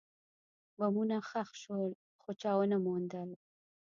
بمونه ښخ شول، خو چا ونه موندل.